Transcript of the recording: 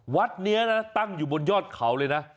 วัดนี้นะตั้งอยู่บนยอดเขาเลยนะ